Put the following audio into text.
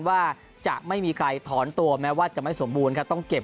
ก็จะมีการลงรายละเอียดที่สุดในการเล่นเกมวันนี้ครับ